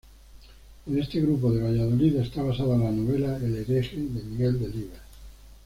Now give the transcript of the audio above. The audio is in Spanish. En este grupo de Valladolid está basada la novela "El hereje" de Miguel Delibes.